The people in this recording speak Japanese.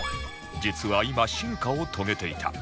実は今進化を遂げていた